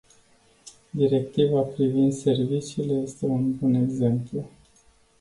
Directiva privind serviciile este un bun exemplu.